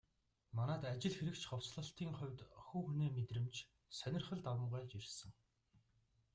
Манайд ажил хэрэгч хувцаслалтын хувьд хувь хүний мэдрэмж, сонирхол давамгайлж ирсэн.